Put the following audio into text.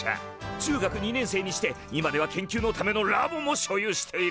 中学２年生にして今では研究のためのラボも所有している。